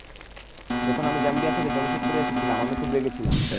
যখন আমি জাম্বিয়া থেকে জামশেদপুর এসেছিলাম, আমি খুব রেগে ছিলাম।